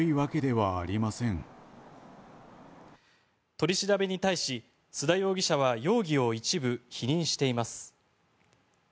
取り調べに対し須田容疑者は容疑を一部否認しています。